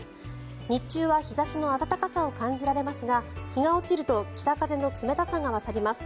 日中は日差しの暖かさを感じられますが日が落ちると北風の冷たさが勝ります。